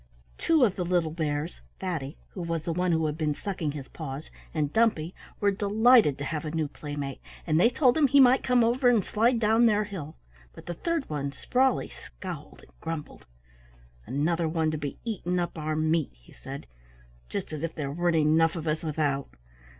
Two of the little bears, Fatty (who was the one who had been sucking his paws) and Dumpy, were delighted to have a new playmate, and they told him he might come over and slide down their hill, but the third one, Sprawley, scowled and grumbled. "Another one to be eating up our meat," he said. "Just as if there weren't enough of us without."